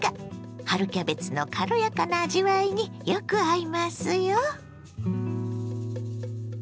春キャベツの軽やかな味わいによく合いますよ。